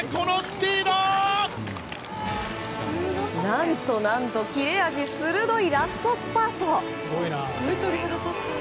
何と何と切れ味鋭いラストスパート。